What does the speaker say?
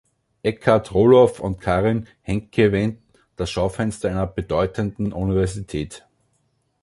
Eckart Roloff und Karin Henke-Wendt: "Das Schaufenster einer bedeutenden Universität.